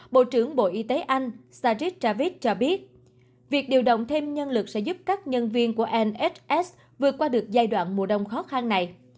bộ trưởng bộ y tế anh shadrid travis cho biết việc điều động thêm nhân lực sẽ giúp các nhân viên của ms vượt qua được giai đoạn mùa đông khó khăn này